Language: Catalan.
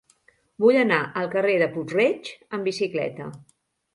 Vull anar al carrer de Puig-reig amb bicicleta.